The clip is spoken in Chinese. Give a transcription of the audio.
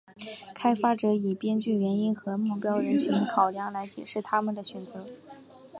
开发者以编剧原因和目标人群考量来解释他们的选择。